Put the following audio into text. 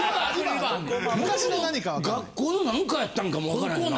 学校の何かやったんかも分からへんな。